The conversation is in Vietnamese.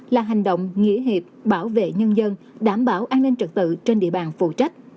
là hành động nghĩa hiệp bảo vệ nhân dân đảm bảo an ninh trật tự trên địa bàn phụ trách